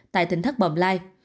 tại tỉnh thác bồng lai